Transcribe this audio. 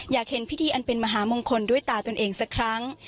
อยากเห็นพิธีอันเป็นมหามงคลด้วยตาตนเองสักครั้ง